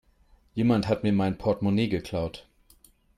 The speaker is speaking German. Jemand hat mir mein Portmonee geklaut.